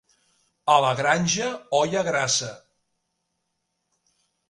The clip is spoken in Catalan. A la Granja, olla grassa.